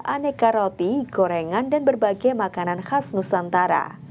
aneka roti gorengan dan berbagai makanan khas nusantara